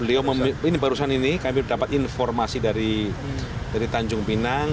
ini barusan ini kami dapat informasi dari tanjung minang